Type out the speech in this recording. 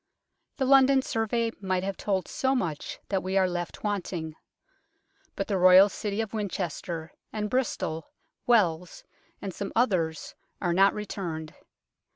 The London survey might have told so much that we are left wanting. But the Royal city of Winchester, and Bristol, Wells, and some others are not returned.